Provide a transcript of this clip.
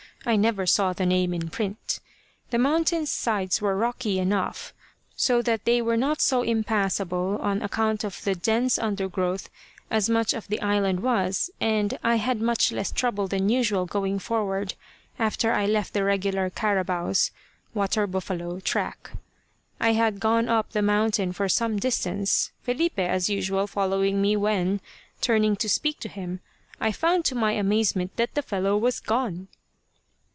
I never saw the name in print. The mountain's sides were rocky enough so that they were not so impassable on account of the dense under growth as much of the island was, and I had much less trouble than usual going forward after I left the regular "carabaos" (water buffalo) track. I had gone on up the mountain for some distance, Filipe, as usual, following me, when, turning to speak to him, I found to my amazement that the fellow was gone.